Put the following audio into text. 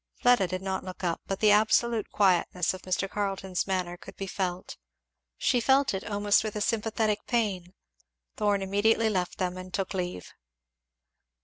Fleda did not look up, but the absolute quietness of Mr. Carleton's manner could be felt; she felt it, almost with sympathetic pain. Thorn immediately left them and took leave.